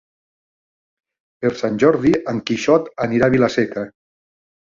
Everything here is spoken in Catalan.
Per Sant Jordi en Quixot anirà a Vila-seca.